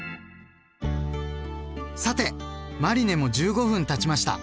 さてマリネも１５分たちました。